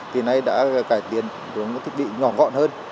thì nay đã cải tiến đến các thiết bị nhỏ gọn hơn